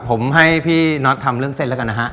ผมให้พี่น็อตทำเรื่องเส้นแล้วกันนะฮะ